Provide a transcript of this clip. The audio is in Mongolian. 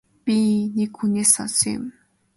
Би нэг хүнээс сонссон юм.